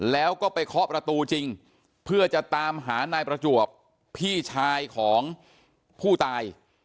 แล้วก็ไปเคาะประตูจริงเพื่อจะตามหานายประจวบพี่ชายของผู้ตาย